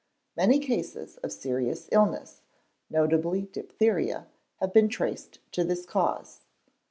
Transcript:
Many cases of serious illness, notably diphtheria, have been traced to this cause.